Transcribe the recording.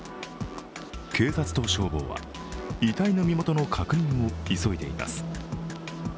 警察と消防は遺体の身元の確認を急いでいます